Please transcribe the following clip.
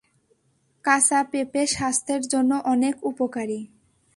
কাঁচা পেঁপে স্বাস্থ্যের জন্য অনেক উপকারী।